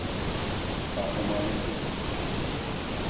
Kahramanım benim.